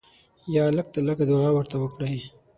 یا لږ تر لږه دعا ورته وکړئ.